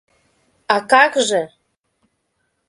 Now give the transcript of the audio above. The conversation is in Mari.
— А как же?!